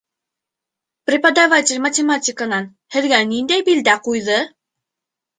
Преподаватель математиканан һеҙгә ниндәй билдә ҡуйҙы?